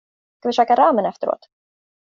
Ska vi käka ramen efteråt?